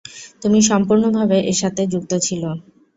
তুমি সম্পূর্ণ ভাবে এর সাথে যুক্ত ছিল।